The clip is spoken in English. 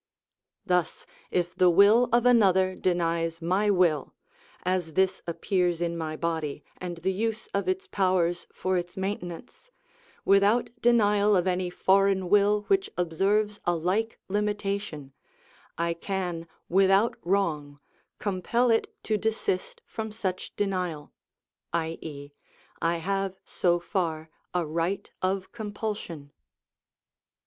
Thus if the will of another denies my will, as this appears in my body and the use of its powers for its maintenance, without denial of any foreign will which observes a like limitation, I can without wrong compel it to desist from such denial, i.e., I have so far a right of compulsion.